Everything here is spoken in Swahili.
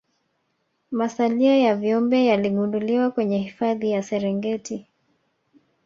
Masalia ya viumbe yaligunduliwa kwenye hifadhi ya serengeti